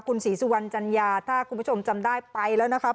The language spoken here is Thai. คุณศรีสุวรรณจัญญาถ้าคุณผู้ชมจำได้ไปแล้วนะครับ